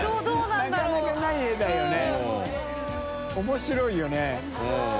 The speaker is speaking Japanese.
面白いですよね。